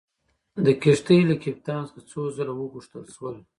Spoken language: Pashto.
د کښتۍ له کپټان څخه څو ځله وغوښتل شول.